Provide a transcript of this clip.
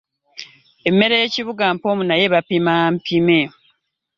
Emmere y'ekibuga mpoomu naye bapima mpime.